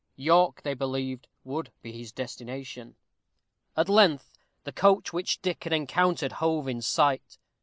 York they believed would be his destination. At length the coach which Dick had encountered hove in sight.